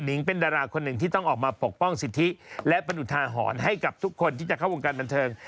นิ่งเป็นดราคนนึงที่ต้องออกมาปกป้องสิทธิและปนุธาหอนให้ทุกคนโทยงกันบนเทิง